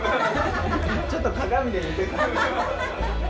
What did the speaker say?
ちょっと鏡で見てくる。